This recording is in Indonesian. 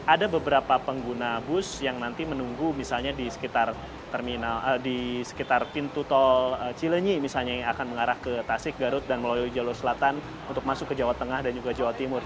ada beberapa pengguna bus yang nanti menunggu misalnya di sekitar pintu tol cilenyi misalnya yang akan mengarah ke tasik garut dan melalui jalur selatan untuk masuk ke jawa tengah dan juga jawa timur